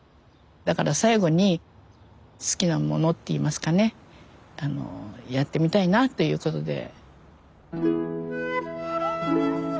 だから最後に好きなものって言いますかねやってみたいなということで。